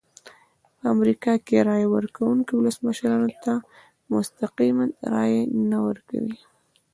په امریکا کې رایه ورکوونکي ولسمشرانو ته مستقیمه رایه نه ورکوي.